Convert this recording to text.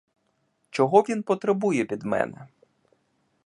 Чого він потребує від мене?